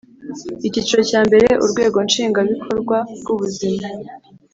Icyiciro cya mbere Urwego Nshingwabikorwa rwubuzima